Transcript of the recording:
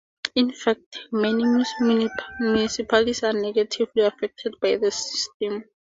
In fact, many municipalities are negatively affected by this system.